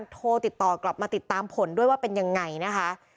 โทรติดต่อกลับมาติดตามผลด้วยว่าเป็นยังไงนะคะ